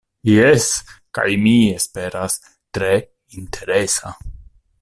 Jes, kaj, mi esperas, tre interesa.